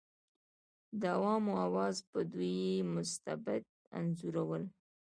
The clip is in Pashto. د عوامو اوازو به دوی مستبد انځورول.